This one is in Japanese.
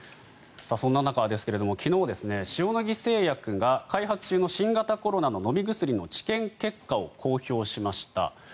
そんな中、昨日塩野義製薬が開発中の新型コロナの飲み薬の治験結果を公表しました。